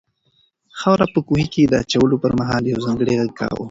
خاوره په کوهي کې د اچولو پر مهال یو ځانګړی غږ کاوه.